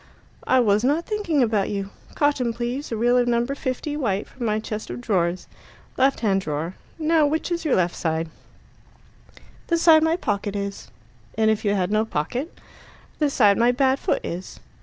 "I was not thinking about you. Cotton, please a reel of No. 50 white from my chest of drawers. Left hand drawer. Now which is your left hand?" "The side my pocket is." "And if you had no pocket?" "The side my bad foot is."